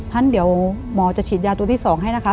งั้นเดี๋ยวหมอจะฉีดยาตัวที่๒ให้นะคะ